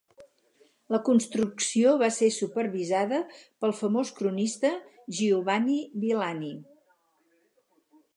La construcció va ser supervisada pel famós cronista Giovanni Villani.